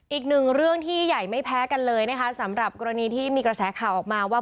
อีกหนึ่งเรื่องที่ใหญ่ไม่แพ้กันเลยนะคะสำหรับกรณีที่มีกระแสข่าวออกมาว่า